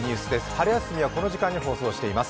春休みはこの時間に放送しています。